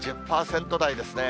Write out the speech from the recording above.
１０％台ですね。